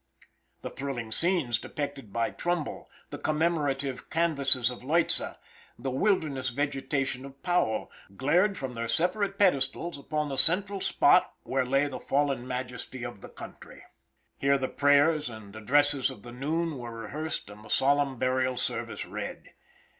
The thrilling scenes depicted by Trumbull, the commemorative canvases of Leutze, the wilderness vegetation of Powell, glared from their separate pedestals upon the central spot where lay the fallen majesty of the country. Here the prayers and addresses of the noon were rehearsed and the solemn burial service read.